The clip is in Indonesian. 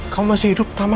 kamu masih hidup tama